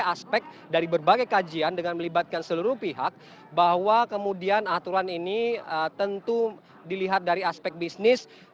aspek dari berbagai kajian dengan melibatkan seluruh pihak bahwa kemudian aturan ini tentu dilihat dari aspek bisnis